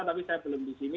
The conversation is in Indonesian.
tapi saya belum di sini